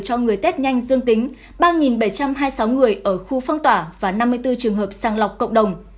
cho người tết nhanh dương tính ba bảy trăm hai mươi sáu người ở khu phong tỏa và năm mươi bốn trường hợp sàng lọc cộng đồng